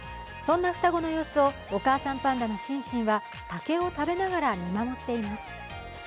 そんな双子の様子をお母さんパンダのシンシンは竹を食べながら見守っています。